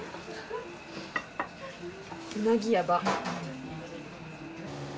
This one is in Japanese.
うなぎやばっ！